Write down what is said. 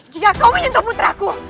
jika kau menyentuh putra aku